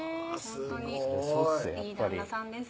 すごいいい旦那さんです